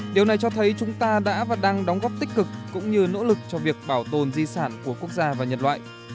điều này cho thấy chúng ta đã và đang đóng góp tích cực cũng như nỗ lực cho việc bảo tồn di sản của quốc gia và nhân loại